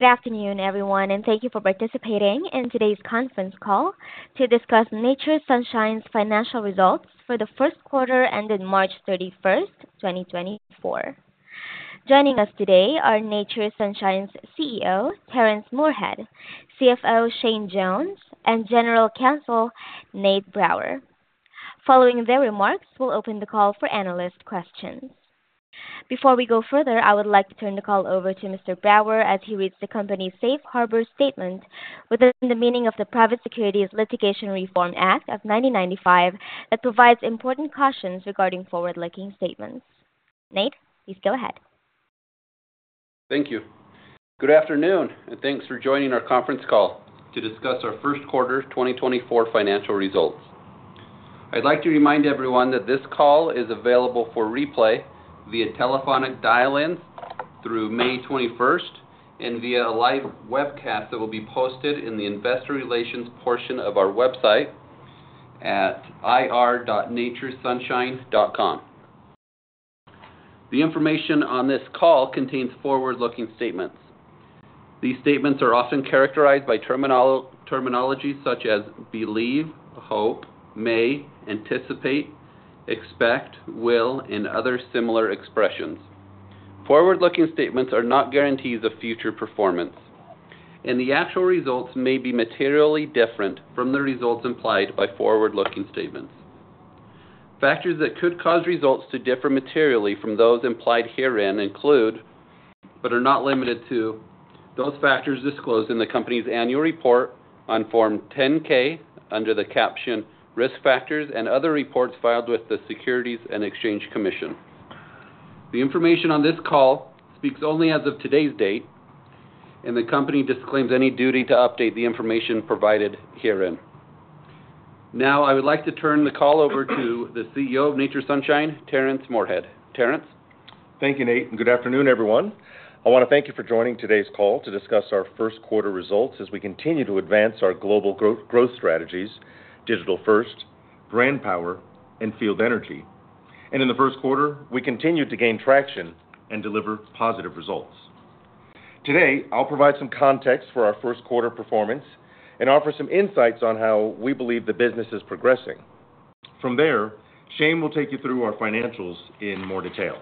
Good afternoon, everyone, and thank you for participating in today's conference call to discuss Nature's Sunshine's financial results for the first quarter ended March 31st, 2024. Joining us today are Nature's Sunshine's CEO Terrence Moorehead, CFO Shane Jones, and General Counsel Nate Brower. Following their remarks, we'll open the call for analyst questions. Before we go further, I would like to turn the call over to Mr. Brower as he reads the company's Safe Harbor Statement within the meaning of the Private Securities Litigation Reform Act of 1995 that provides important cautions regarding forward-looking statements. Nate, please go ahead. Thank you. Good afternoon, and thanks for joining our conference call to discuss our first quarter 2024 financial results. I'd like to remind everyone that this call is available for replay via telephonic dial-in through May 21st and via a live webcast that will be posted in the investor relations portion of our website at ir.naturesunshine.com. The information on this call contains forward-looking statements. These statements are often characterized by terminologies such as believe, hope, may, anticipate, expect, will, and other similar expressions. Forward-looking statements are not guarantees of future performance, and the actual results may be materially different from the results implied by forward-looking statements. Factors that could cause results to differ materially from those implied herein include but are not limited to those factors disclosed in the company's annual report on Form 10-K under the caption Risk Factors and other reports filed with the Securities and Exchange Commission. The information on this call speaks only as of today's date, and the company disclaims any duty to update the information provided herein. Now, I would like to turn the call over to the CEO of Nature's Sunshine, Terrence Moorehead. Terrence? Thank you, Nate, and good afternoon, everyone. I want to thank you for joining today's call to discuss our first quarter results as we continue to advance our global growth strategies, Digital First, Brand Power, and Field Energy. In the first quarter, we continue to gain traction and deliver positive results. Today, I'll provide some context for our first quarter performance and offer some insights on how we believe the business is progressing. From there, Shane will take you through our financials in more detail.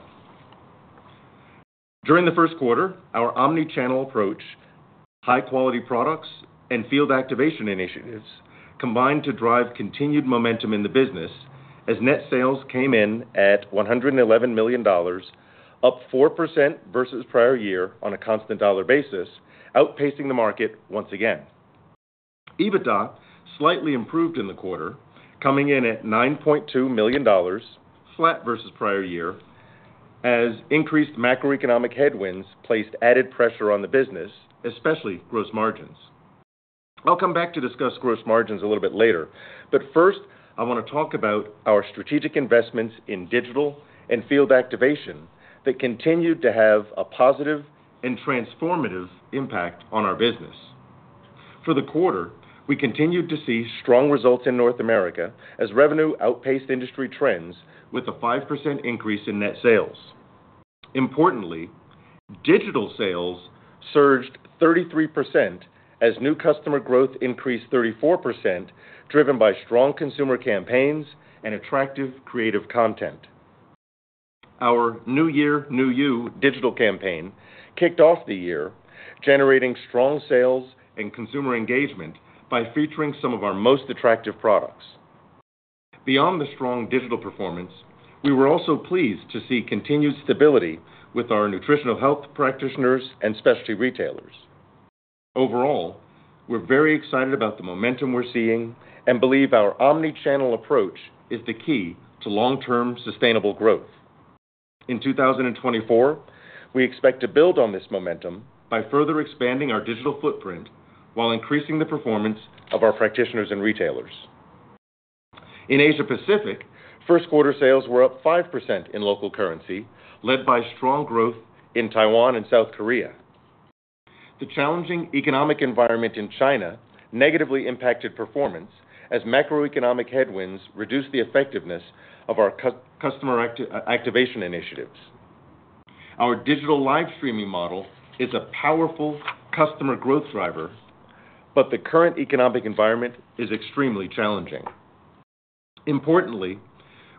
During the first quarter, our omnichannel approach, high-quality products, and field activation initiatives combined to drive continued momentum in the business as net sales came in at $111 million, up 4% versus prior year on a constant dollar basis, outpacing the market once again. EBITDA slightly improved in the quarter, coming in at $9.2 million, flat versus prior year, as increased macroeconomic headwinds placed added pressure on the business, especially gross margins. I'll come back to discuss gross margins a little bit later, but first, I want to talk about our strategic investments in digital and field activation that continued to have a positive and transformative impact on our business. For the quarter, we continued to see strong results in North America as revenue outpaced industry trends with a 5% increase in net sales. Importantly, digital sales surged 33% as new customer growth increased 34%, driven by strong consumer campaigns and attractive creative content. Our New Year New You digital campaign kicked off the year, generating strong sales and consumer engagement by featuring some of our most attractive products. Beyond the strong digital performance, we were also pleased to see continued stability with our nutritional health practitioners and specialty retailers. Overall, we're very excited about the momentum we're seeing and believe our omnichannel approach is the key to long-term sustainable growth. In 2024, we expect to build on this momentum by further expanding our digital footprint while increasing the performance of our practitioners and retailers. In Asia-Pacific, first quarter sales were up 5% in local currency, led by strong growth in Taiwan and South Korea. The challenging economic environment in China negatively impacted performance as macroeconomic headwinds reduced the effectiveness of our customer activation initiatives. Our digital live-streaming model is a powerful customer growth driver, but the current economic environment is extremely challenging. Importantly,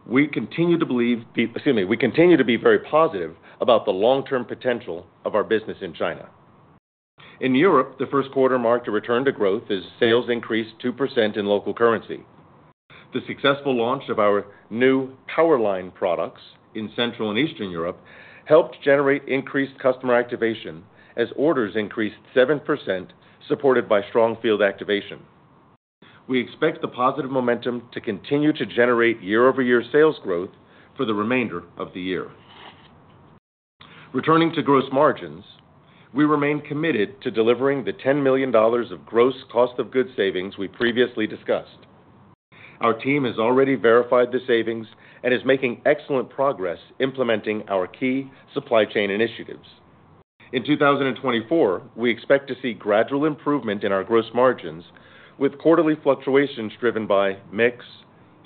we continue to believe excuse me, we continue to be very positive about the long-term potential of our business in China. In Europe, the first quarter marked a return to growth as sales increased 2% in local currency. The successful launch of our new Power Line products in Central and Eastern Europe helped generate increased customer activation as orders increased 7%, supported by strong field activation. We expect the positive momentum to continue to generate year-over-year sales growth for the remainder of the year. Returning to gross margins, we remain committed to delivering the $10 million of gross cost-of-goods savings we previously discussed. Our team has already verified the savings and is making excellent progress implementing our key supply chain initiatives. In 2024, we expect to see gradual improvement in our gross margins with quarterly fluctuations driven by mix,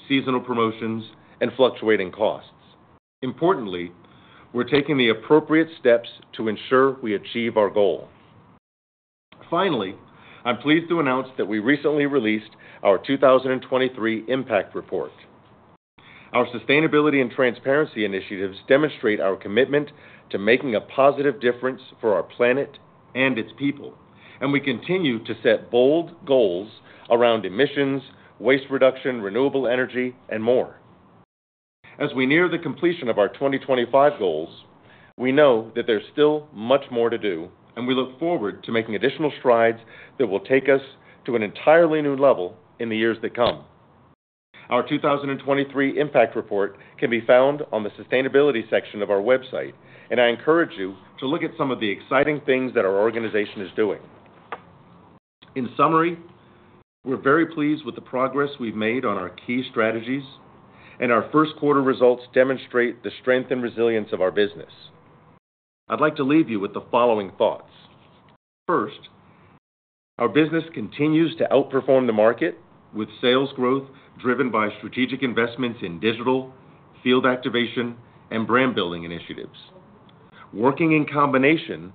seasonal promotions, and fluctuating costs. Importantly, we're taking the appropriate steps to ensure we achieve our goal. Finally, I'm pleased to announce that we recently released our 2023 Impact Report. Our sustainability and transparency initiatives demonstrate our commitment to making a positive difference for our planet and its people, and we continue to set bold goals around emissions, waste reduction, renewable energy, and more. As we near the completion of our 2025 goals, we know that there's still much more to do, and we look forward to making additional strides that will take us to an entirely new level in the years that come. Our 2023 Impact Report can be found on the sustainability section of our website, and I encourage you to look at some of the exciting things that our organization is doing. In summary, we're very pleased with the progress we've made on our key strategies, and our first quarter results demonstrate the strength and resilience of our business. I'd like to leave you with the following thoughts. First, our business continues to outperform the market with sales growth driven by strategic investments in digital, field activation, and brand-building initiatives. Working in combination,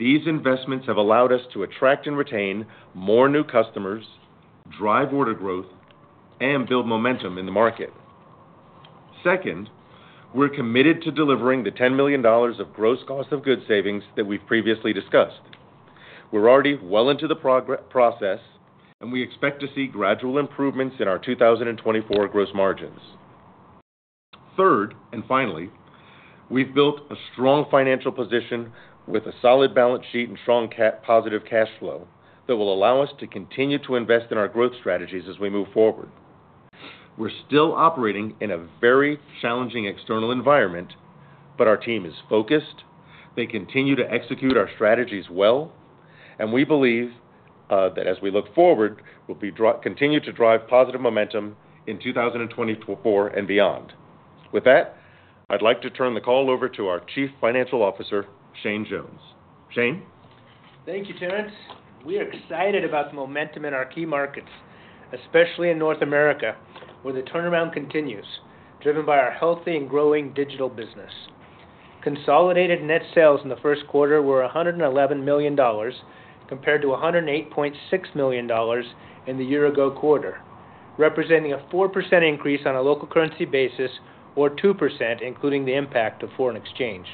these investments have allowed us to attract and retain more new customers, drive order growth, and build momentum in the market. Second, we're committed to delivering the $10 million of gross cost-of-goods savings that we've previously discussed. We're already well into the process, and we expect to see gradual improvements in our 2024 gross margins. Third, and finally, we've built a strong financial position with a solid balance sheet and strong positive cash flow that will allow us to continue to invest in our growth strategies as we move forward. We're still operating in a very challenging external environment, but our team is focused, they continue to execute our strategies well, and we believe that as we look forward, we'll continue to drive positive momentum in 2024 and beyond. With that, I'd like to turn the call over to our Chief Financial Officer, Shane Jones. Shane? Thank you, Terrence. We are excited about the momentum in our key markets, especially in North America, where the turnaround continues, driven by our healthy and growing digital business. Consolidated net sales in the first quarter were $111 million compared to $108.6 million in the year-ago quarter, representing a 4% increase on a local currency basis or 2%, including the impact of foreign exchange.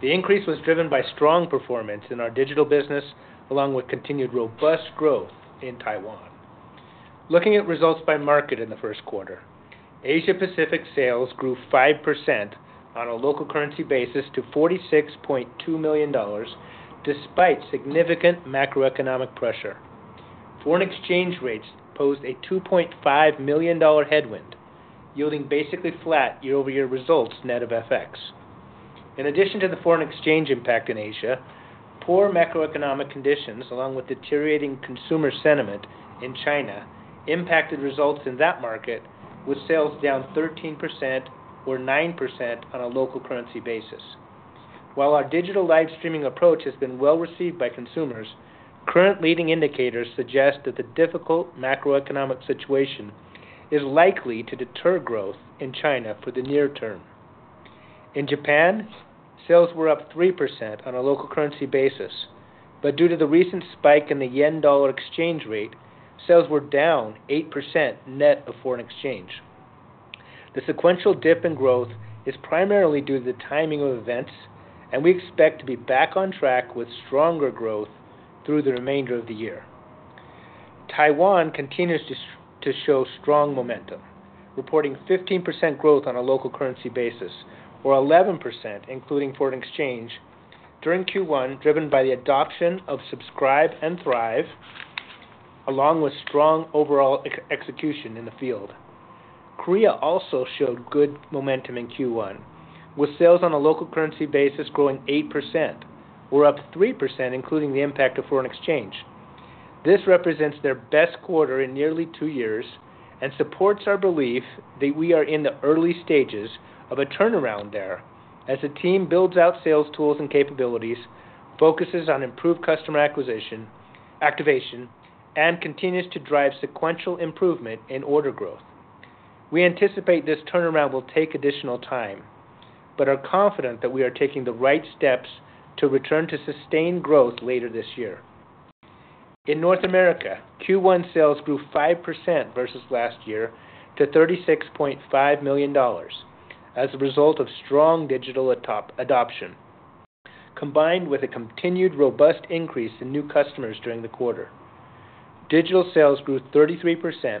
The increase was driven by strong performance in our digital business along with continued robust growth in Taiwan. Looking at results by market in the first quarter, Asia-Pacific sales grew 5% on a local currency basis to $46.2 million despite significant macroeconomic pressure. Foreign exchange rates posed a $2.5 million headwind, yielding basically flat year-over-year results net of FX. In addition to the foreign exchange impact in Asia, poor macroeconomic conditions along with deteriorating consumer sentiment in China impacted results in that market with sales down 13% or 9% on a local currency basis. While our digital live-streaming approach has been well received by consumers, current leading indicators suggest that the difficult macroeconomic situation is likely to deter growth in China for the near term. In Japan, sales were up 3% on a local currency basis, but due to the recent spike in the yen-dollar exchange rate, sales were down 8% net of foreign exchange. The sequential dip in growth is primarily due to the timing of events, and we expect to be back on track with stronger growth through the remainder of the year. Taiwan continues to show strong momentum, reporting 15% growth on a local currency basis or 11%, including foreign exchange, during Q1 driven by the adoption of Subscribe & Thrive along with strong overall execution in the field. Korea also showed good momentum in Q1, with sales on a local currency basis growing 8% or up 3%, including the impact of foreign exchange. This represents their best quarter in nearly two years and supports our belief that we are in the early stages of a turnaround there as the team builds out sales tools and capabilities, focuses on improved customer activation, and continues to drive sequential improvement in order growth. We anticipate this turnaround will take additional time, but are confident that we are taking the right steps to return to sustained growth later this year. In North America, Q1 sales grew 5% versus last year to $36.5 million as a result of strong digital adoption, combined with a continued robust increase in new customers during the quarter. Digital sales grew 33%,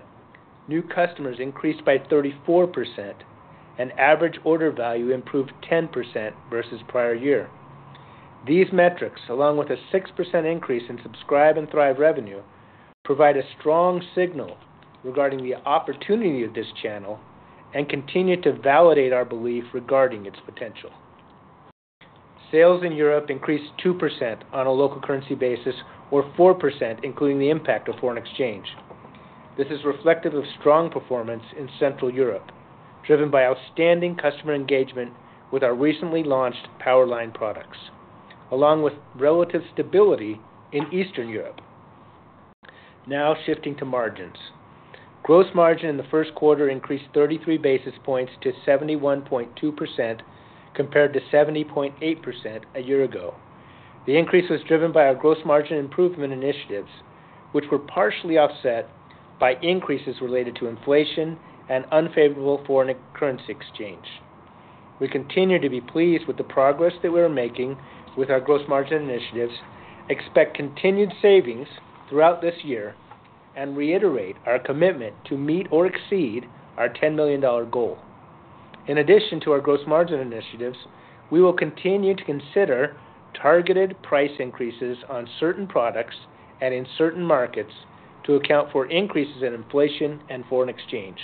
new customers increased by 34%, and average order value improved 10% versus prior year. These metrics, along with a 6% increase in Subscribe & Thrive revenue, provide a strong signal regarding the opportunity of this channel and continue to validate our belief regarding its potential. Sales in Europe increased 2% on a local currency basis or 4%, including the impact of foreign exchange. This is reflective of strong performance in Central Europe, driven by outstanding customer engagement with our recently launched Power Line products, along with relative stability in Eastern Europe. Now shifting to margins. Gross margin in the first quarter increased 33 basis points to 71.2% compared to 70.8% a year ago. The increase was driven by our gross margin improvement initiatives, which were partially offset by increases related to inflation and unfavorable foreign currency exchange. We continue to be pleased with the progress that we are making with our gross margin initiatives, expect continued savings throughout this year, and reiterate our commitment to meet or exceed our $10 million goal. In addition to our gross margin initiatives, we will continue to consider targeted price increases on certain products and in certain markets to account for increases in inflation and foreign exchange.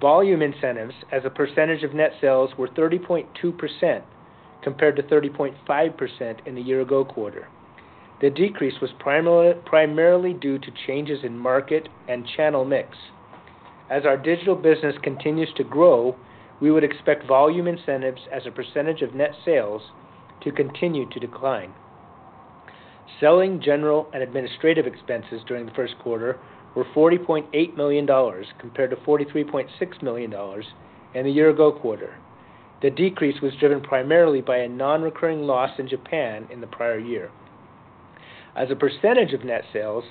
Volume incentives, as a percentage of net sales, were 30.2% compared to 30.5% in the year-ago quarter. The decrease was primarily due to changes in market and channel mix. As our digital business continues to grow, we would expect volume incentives, as a percentage of net sales, to continue to decline. Selling, general and administrative expenses during the first quarter were $40.8 million compared to $43.6 million in the year-ago quarter. The decrease was driven primarily by a non-recurring loss in Japan in the prior year. As a percentage of net sales,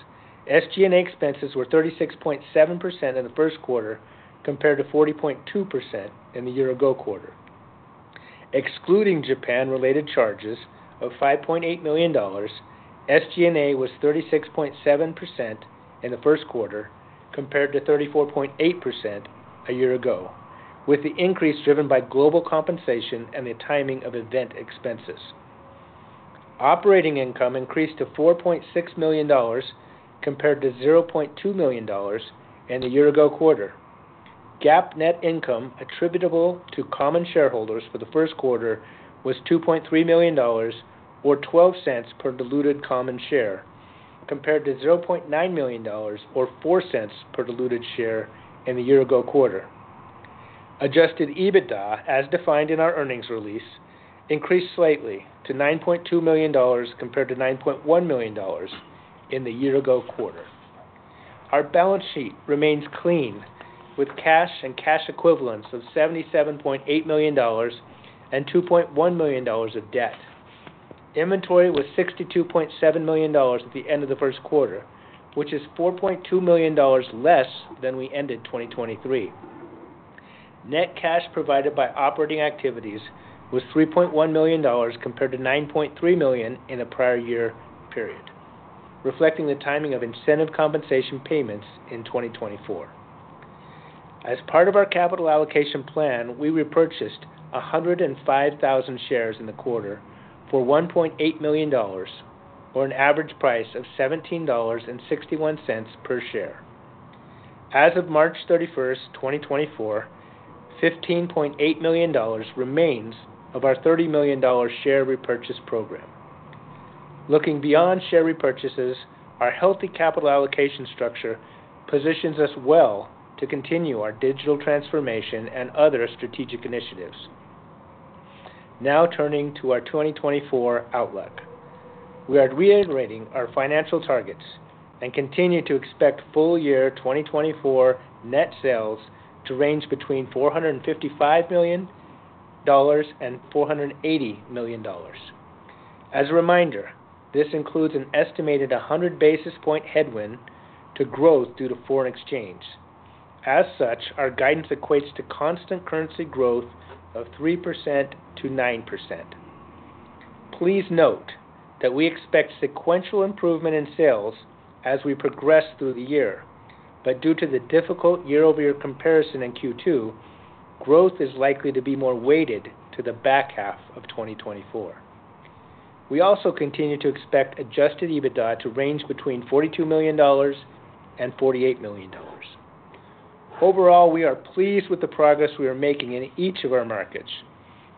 SG&A expenses were 36.7% in the first quarter compared to 40.2% in the year-ago quarter. Excluding Japan-related charges of $5.8 million, SG&A was 36.7% in the first quarter compared to 34.8% a year ago, with the increase driven by global compensation and the timing of event expenses. Operating income increased to $4.6 million compared to $0.2 million in the year-ago quarter. GAAP net income attributable to common shareholders for the first quarter was $2.3 million or $0.12 per diluted common share compared to $0.9 million or $0.04 per diluted share in the year-ago quarter. Adjusted EBITDA, as defined in our earnings release, increased slightly to $9.2 million compared to $9.1 million in the year-ago quarter. Our balance sheet remains clean, with cash and cash equivalents of $77.8 million and $2.1 million of debt. Inventory was $62.7 million at the end of the first quarter, which is $4.2 million less than we ended 2023. Net cash provided by operating activities was $3.1 million compared to $9.3 million in a prior year period, reflecting the timing of incentive compensation payments in 2024. As part of our capital allocation plan, we repurchased 105,000 shares in the quarter for $1.8 million or an average price of $17.61 per share. As of March 31st, 2024, $15.8 million remains of our $30 million share repurchase program. Looking beyond share repurchases, our healthy capital allocation structure positions us well to continue our digital transformation and other strategic initiatives. Now turning to our 2024 outlook. We are reiterating our financial targets and continue to expect full-year 2024 net sales to range between $455 million and $480 million. As a reminder, this includes an estimated 100 basis point headwind to growth due to foreign exchange. As such, our guidance equates to constant currency growth of 3%-9%. Please note that we expect sequential improvement in sales as we progress through the year, but due to the difficult year-over-year comparison in Q2, growth is likely to be more weighted to the back half of 2024. We also continue to expect Adjusted EBITDA to range between $42 million and $48 million. Overall, we are pleased with the progress we are making in each of our markets,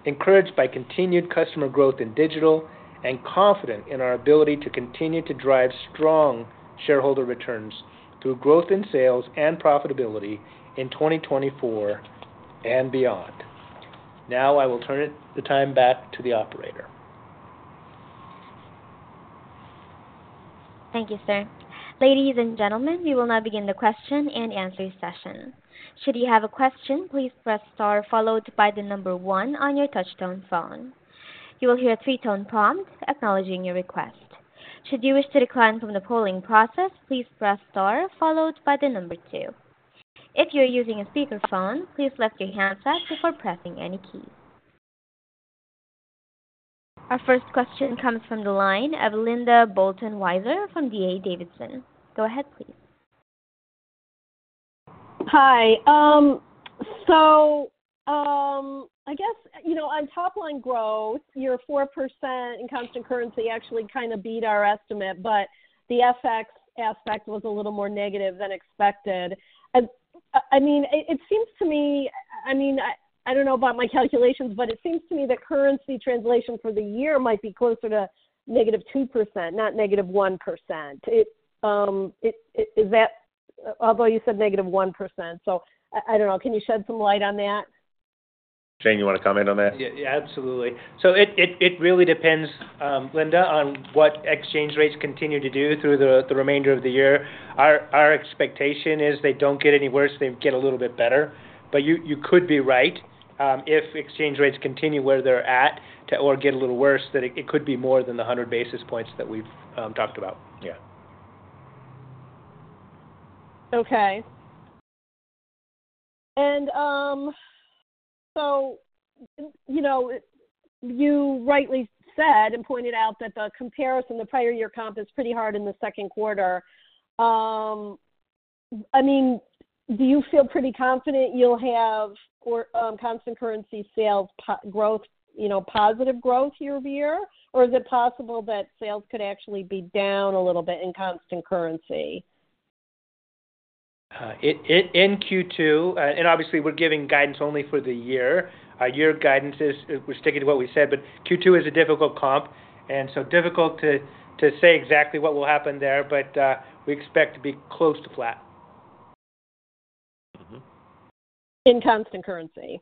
encouraged by continued customer growth in digital and confident in our ability to continue to drive strong shareholder returns through growth in sales and profitability in 2024 and beyond. Now I will turn the time back to the operator. Thank you, sir. Ladies and gentlemen, we will now begin the question and answer session. Should you have a question, please press star followed by the number one on your touch-tone phone. You will hear a three-tone prompt acknowledging your request. Should you wish to decline from the polling process, please press star followed by the number two. If you are using a speakerphone, please lift your handset up before pressing any key. Our first question comes from the line of Linda Bolton Weiser from D.A. Davidson. Go ahead, please. Hi. So I guess on top-line growth, your 4% in constant currency actually kind of beat our estimate, but the FX aspect was a little more negative than expected. I mean, it seems to me I mean, I don't know about my calculations, but it seems to me that currency translation for the year might be closer to -2%, not -1%. Although you said -1%, so I don't know. Can you shed some light on that? Shane, you want to comment on that? Yeah, absolutely. So it really depends, Linda, on what exchange rates continue to do through the remainder of the year. Our expectation is they don't get any worse, they get a little bit better. But you could be right if exchange rates continue where they're at or get a little worse, that it could be more than the 100 basis points that we've talked about. Yeah. Okay. And so you rightly said and pointed out that the comparison to prior year comp is pretty hard in the second quarter. I mean, do you feel pretty confident you'll have constant currency sales growth, positive growth year-over-year, or is it possible that sales could actually be down a little bit in constant currency? In Q2, and obviously, we're giving guidance only for the year. Our year guidance is we're sticking to what we said, but Q2 is a difficult comp, and so difficult to say exactly what will happen there, but we expect to be close to flat. In constant currency?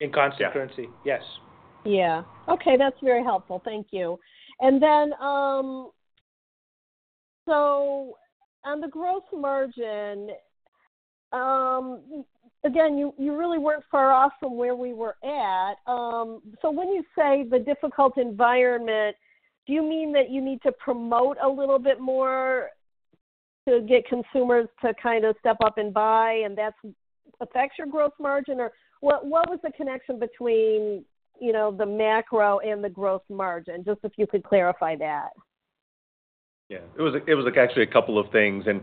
In constant currency, yes. Yeah. Okay, that's very helpful. Thank you. And then so on the gross margin, again, you really weren't far off from where we were at. So when you say the difficult environment, do you mean that you need to promote a little bit more to get consumers to kind of step up and buy, and that affects your gross margin, or what was the connection between the macro and the gross margin, just if you could clarify that? Yeah, it was actually a couple of things. And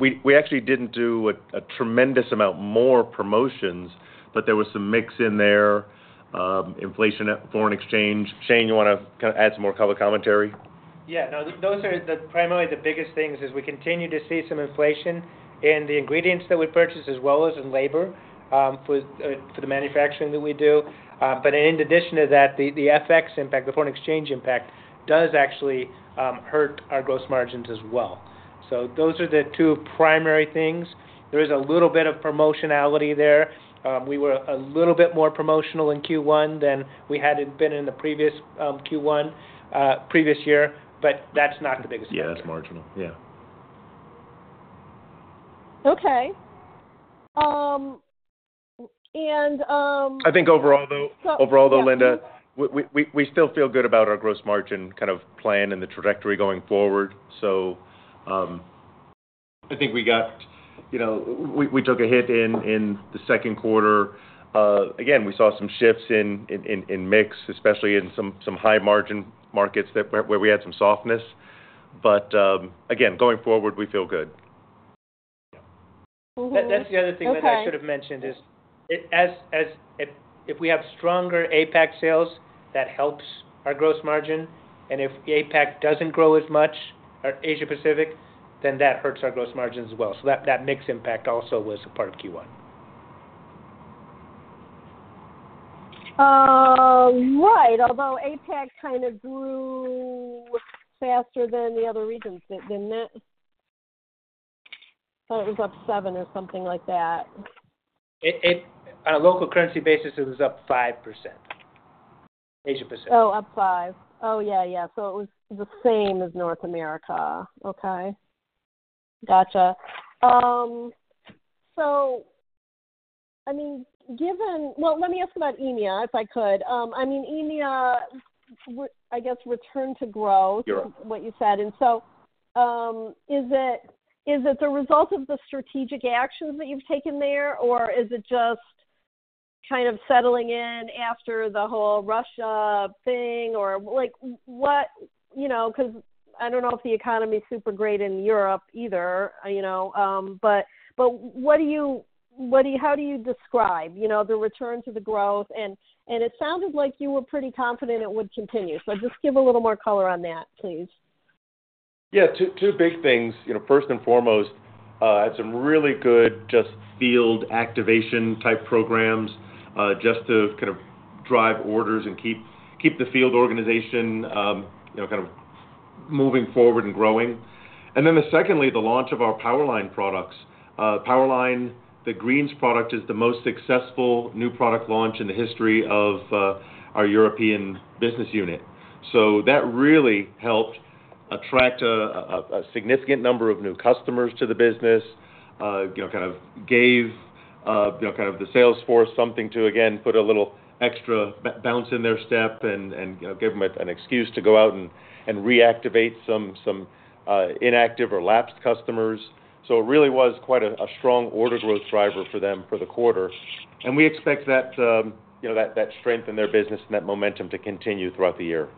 we actually didn't do a tremendous amount more promotions, but there was some mix in there: inflation, foreign exchange. Shane, you want to kind of add some more color commentary? Yeah, no, those are primarily the biggest things, is we continue to see some inflation in the ingredients that we purchase as well as in labor for the manufacturing that we do. But in addition to that, the FX impact, the foreign exchange impact, does actually hurt our gross margins as well. So those are the two primary things. There is a little bit of promotionality there. We were a little bit more promotional in Q1 than we had been in the previous Q1, previous year, but that's not the biggest thing. Yeah, it's marginal, yeah. Okay. And. I think overall, though, Linda, we still feel good about our gross margin kind of plan and the trajectory going forward. So I think we took a hit in the second quarter. Again, we saw some shifts in mix, especially in some high-margin markets where we had some softness. But again, going forward, we feel good. Yeah. That's the other thing that I should have mentioned is if we have stronger APAC sales, that helps our gross margin. If APAC doesn't grow as much, our Asia-Pacific, then that hurts our gross margins as well. That mix impact also was a part of Q1. Right, although APAC kind of grew faster than the other regions. I thought it was up 7% or something like that. On a local currency basis, it was up 5%, Asia-Pacific. Oh, up 5%. Oh, yeah, yeah. So it was the same as North America. Okay. Gotcha. So I mean, given well, let me ask about EMEA, if I could. I mean, EMEA, I guess, return to growth, what you said. And so is it the result of the strategic actions that you've taken there, or is it just kind of settling in after the whole Russia thing, or what? Because I don't know if the economy is super great in Europe either, but how do you describe the return to the growth? And it sounded like you were pretty confident it would continue. So just give a little more color on that, please. Yeah, two big things. First and foremost, I had some really good just field activation-type programs just to kind of drive orders and keep the field organization kind of moving forward and growing. And then secondly, the launch of our Power Line products. Power Line, the Greens product, is the most successful new product launch in the history of our European business unit. So that really helped attract a significant number of new customers to the business, kind of gave kind of the sales force something to, again, put a little extra bounce in their step and gave them an excuse to go out and reactivate some inactive or lapsed customers. So it really was quite a strong order growth driver for them for the quarter. And we expect that strength in their business and that momentum to continue throughout the year.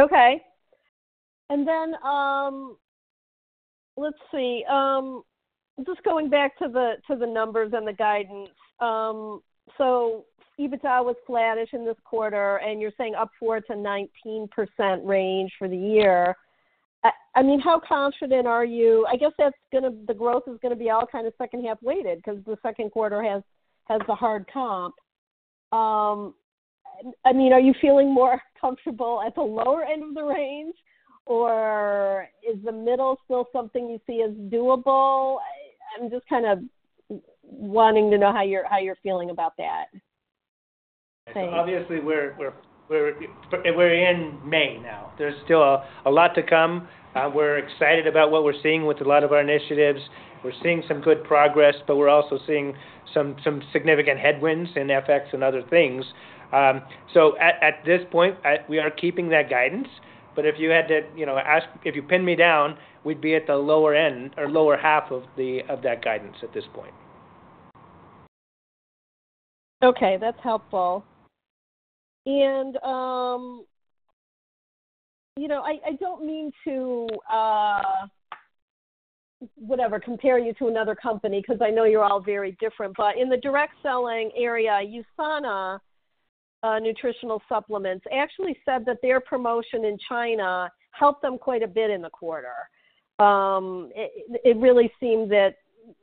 Okay. And then let's see. Just going back to the numbers and the guidance. So EBITDA was flat-ish in this quarter, and you're saying up 4%-19% range for the year. I mean, how confident are you? I guess the growth is going to be all kind of second-half weighted because the second quarter has the hard comp. I mean, are you feeling more comfortable at the lower end of the range, or is the middle still something you see as doable? I'm just kind of wanting to know how you're feeling about that. So obviously, we're in May now. There's still a lot to come. We're excited about what we're seeing with a lot of our initiatives. We're seeing some good progress, but we're also seeing some significant headwinds in FX and other things. So at this point, we are keeping that guidance. But if you had to ask if you pin me down, we'd be at the lower end or lower half of that guidance at this point. Okay, that's helpful. And I don't mean to, whatever, compare you to another company because I know you're all very different. But in the direct selling area, USANA actually said that their promotion in China helped them quite a bit in the quarter. It really seemed that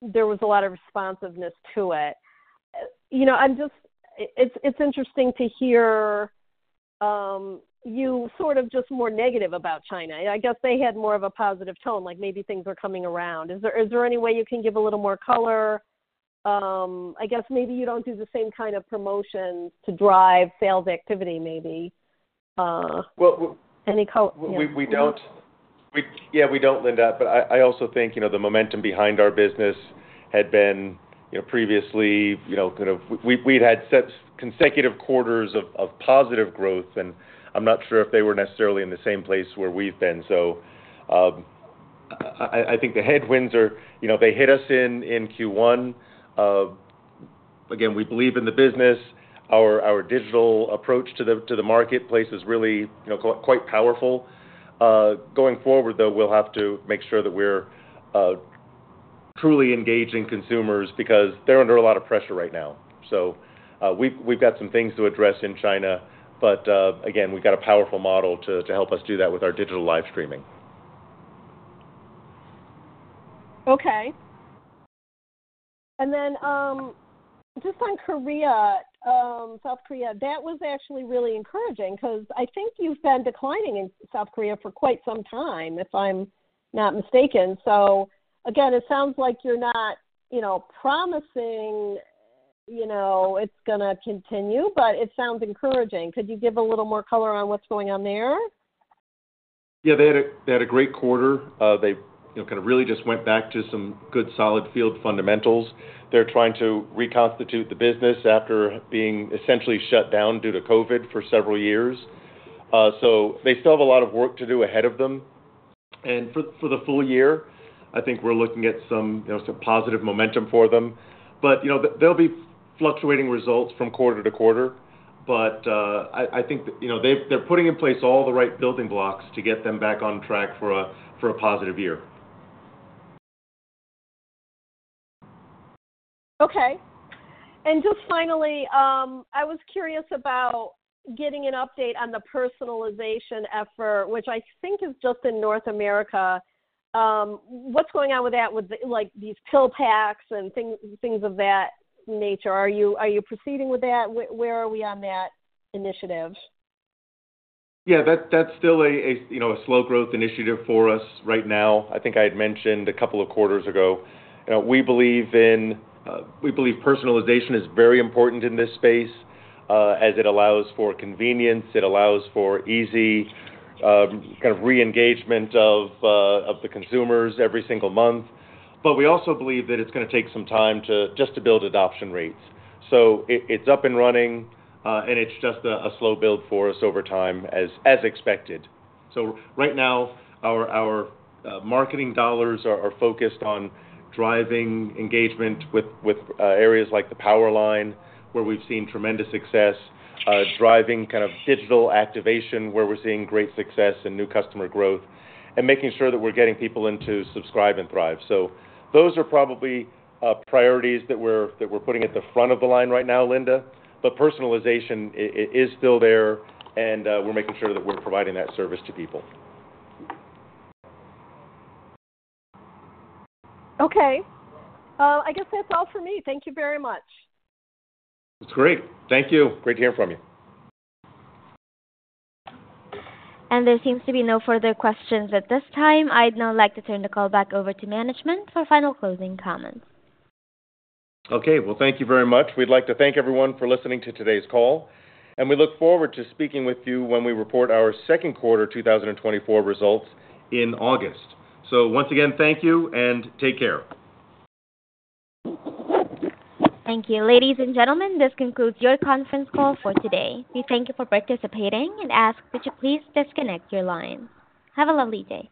there was a lot of responsiveness to it. It's interesting to hear you sort of just more negative about China. I guess they had more of a positive tone, like maybe things are coming around. Is there any way you can give a little more color? I guess maybe you don't do the same kind of promotions to drive sales activity, maybe. Any color? Well, we don't. Yeah, we don't, Linda. But I also think the momentum behind our business had been previously kind of we'd had consecutive quarters of positive growth, and I'm not sure if they were necessarily in the same place where we've been. So I think the headwinds are they hit us in Q1. Again, we believe in the business. Our digital approach to the marketplace is really quite powerful. Going forward, though, we'll have to make sure that we're truly engaging consumers because they're under a lot of pressure right now. So we've got some things to address in China, but again, we've got a powerful model to help us do that with our digital live streaming. Okay. And then just on Korea, South Korea, that was actually really encouraging because I think you've been declining in South Korea for quite some time, if I'm not mistaken. So again, it sounds like you're not promising it's going to continue, but it sounds encouraging. Could you give a little more color on what's going on there? Yeah, they had a great quarter. They kind of really just went back to some good solid field fundamentals. They're trying to reconstitute the business after being essentially shut down due to COVID for several years. So they still have a lot of work to do ahead of them. And for the full year, I think we're looking at some positive momentum for them. But there'll be fluctuating results from quarter-to-quarter. But I think they're putting in place all the right building blocks to get them back on track for a positive year. Okay. And just finally, I was curious about getting an update on the personalization effort, which I think is just in North America. What's going on with that, with these pill packs and things of that nature? Are you proceeding with that? Where are we on that initiative? Yeah, that's still a slow-growth initiative for us right now. I think I had mentioned a couple of quarters ago, we believe in. We believe personalization is very important in this space as it allows for convenience. It allows for easy kind of re-engagement of the consumers every single month. But we also believe that it's going to take some time just to build adoption rates. So it's up and running, and it's just a slow build for us over time as expected. So right now, our marketing dollars are focused on driving engagement with areas like the Power Line, where we've seen tremendous success, driving kind of digital activation, where we're seeing great success and new customer growth, and making sure that we're getting people into Subscribe & Thrive. So those are probably priorities that we're putting at the front of the line right now, Linda. But personalization is still there, and we're making sure that we're providing that service to people. Okay. I guess that's all for me. Thank you very much. It's great. Thank you. Great to hear from you. There seems to be no further questions at this time. I'd now like to turn the call back over to management for final closing comments. Okay, well, thank you very much. We'd like to thank everyone for listening to today's call, and we look forward to speaking with you when we report our second quarter 2024 results in August. So once again, thank you, and take care. Thank you. Ladies and gentlemen, this concludes your conference call for today. We thank you for participating and ask that you please disconnect your lines. Have a lovely day.